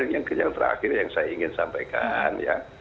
yang terakhir yang saya ingin sampaikan ya